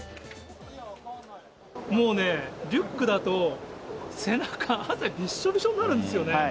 もうね、リュックだと背中、汗びっしょびしょになるんですよね。